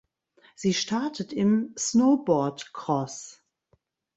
Sie startet im Snowboardcross.